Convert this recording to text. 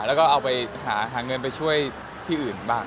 แล้วก็เอาไปหาเงินไปช่วยที่อื่นบ้าง